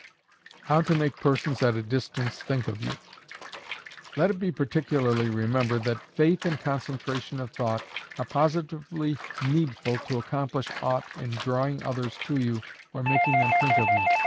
How to Make Persons at a Distance Think of You. Let it be particularly remembered that "Faith" and concentration of thought are positively needful to accomplish aught in drawing others to you or making them think of you.